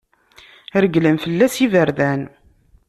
Reglen fell-as yiberdan.